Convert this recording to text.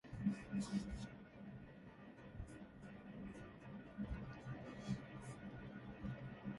These are also demonstrative pronouns.